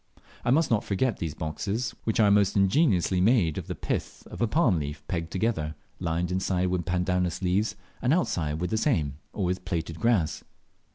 I must not forget these boxes, which are most ingeniously made of the pith of a balm leaf pegged together, lined inside with pandanus leaves, and outside with the same, or with plaited grass.